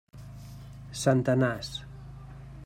Centenars.